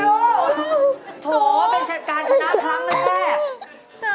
โอ้โฮเป็นแข่งการชนะทั้งแหละ